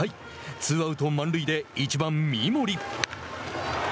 ツーアウト、満塁で１番三森。